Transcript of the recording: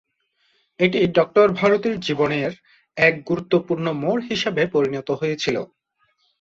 এটি ডঃ ভারতীর জীবনের এক গুরুত্বপূর্ণ মোড় হিসাবে পরিণত হয়েছিল।